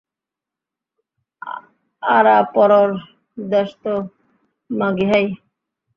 আঁরা পরর দেশত মাগি হাই।